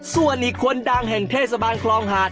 ส่วนอีกคนดังแห่งเทศบาลคลองหาด